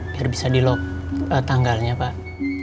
biar bisa dilok tanggalnya pak